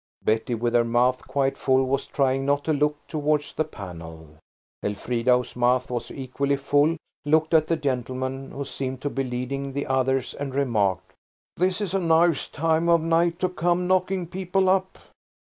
Betty, with her mouth quite full, was trying not to look towards the panel. Elfrida, whose mouth was equally full, looked at the gentleman who seemed to be leading the others, and remarked– "This is a nice time of night to come knocking people up!"